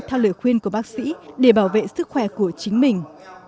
theo lời khuyên của bác sĩ để bảo vệ sức khỏe của chính mình